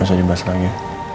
gak usah dibahas lagi